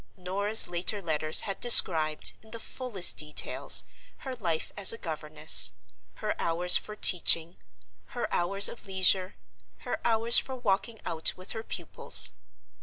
Norah's later letters had described, in the fullest details, her life as a governess—her hours for teaching, her hours of leisure, her hours for walking out with her pupils.